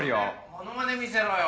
モノマネ見せろよ！